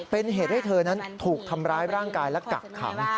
เป็นเหตุให้เธอนั้นถูกทำร้ายร่างกายและกักขัง